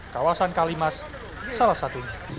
kawasan kalimas salah satu